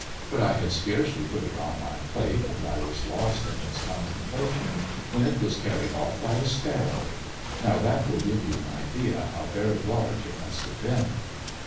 But I had scarcely put it on my plate, and I was lost in its contemplation, when it was carried off by a sparrow. Now that will give you an idea how very large it must have been."